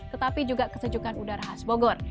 tetapi juga kesejukan udara khas bogor